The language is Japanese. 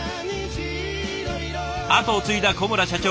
後を継いだ小村社長。